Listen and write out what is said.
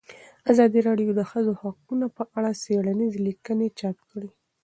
ازادي راډیو د د ښځو حقونه په اړه څېړنیزې لیکنې چاپ کړي.